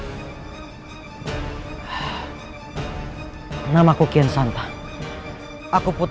kita harus melakukan sesuatu berkata terque